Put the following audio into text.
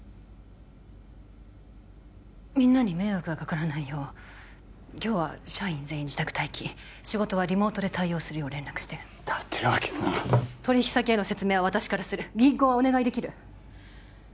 みんなに迷惑がかからないよう今日は社員全員自宅待機仕事はリモートで対応するよう連絡して立脇さん取引先への説明は私からする銀行はお願いできる？